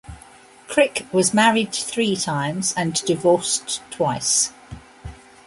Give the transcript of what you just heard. Crick was married three times and divorced twice.